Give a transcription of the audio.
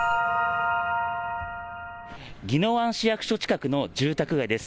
宜野湾市役所近くの住宅街です。